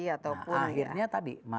ataupun akhirnya tadi marginnya